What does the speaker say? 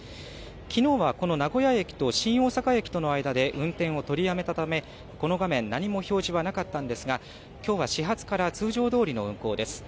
きのうはこの名古屋駅と新大阪駅との間で運転を取りやめたため、この画面、何も表示はなかったんですが、きょうは始発から通常どおりの運行です。